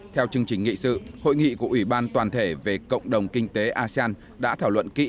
theo chương trình nghị sự hội nghị của ủy ban toàn thể về cộng đồng kinh tế asean đã thảo luận kỹ